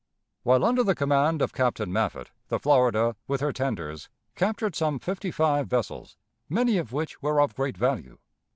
While under the command of Captain Maffitt, the Florida, with her tenders, captured some fifty five vessels, many of which were of great value.